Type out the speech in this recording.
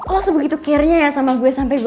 lo sebegitu care nya ya sama gue sampai gue